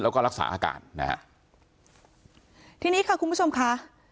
แล้วก็รักษาอาการนะฮะทีนี้ค่ะคุณผู้ชมค่ะ